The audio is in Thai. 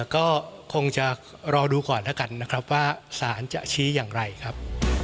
ก็คงจะรอดูก่อนแล้วกันนะครับว่าสารจะชี้อย่างไรครับ